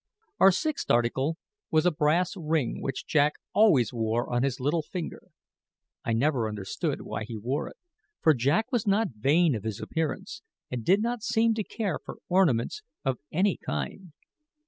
Our sixth article was a brass ring which Jack always wore on his little finger. I never understood why he wore it; for Jack was not vain of his appearance, and did not seem to care for ornaments of any kind.